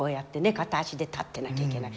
片足で立ってなきゃいけない。